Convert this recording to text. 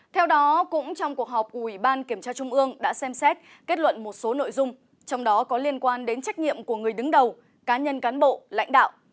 theo đó cũng trong cuộc họp của ubkt đã xem xét kết luận một số nội dung trong đó có liên quan đến trách nhiệm của người đứng đầu cá nhân cán bộ lãnh đạo